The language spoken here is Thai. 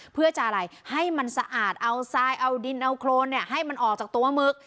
เพื่อจะอะไรให้มันสะอาดเอาทรายเอาดินเอาโครนให้มันออกจากตัวหมึก